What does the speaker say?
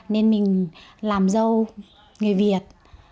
nên mình làm dâu người việt